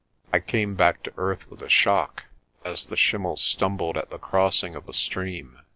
I came back to earth with a shock, as the schimmel stumbled at the crossing of a stream.